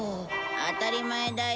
当たり前だよ。